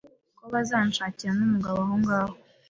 ko bazanshakira n’umugabo ahongaho